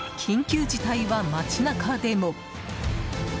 緊急事態は街中でも。